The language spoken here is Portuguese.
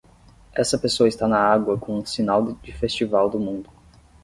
Essa pessoa está na água com um sinal de festival do mundo.